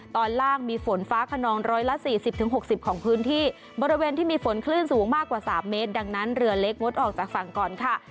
ตอนล่างมีฝนฟ้าขนองร้อยละสี่สิบถึงหกสิบของพื้นที่บริเวณที่มีฝนคลื่นสูงมากกว่าสามเมตรดังนั้นเรือเล็กงดออกจากฝั่งก่อนค่ะ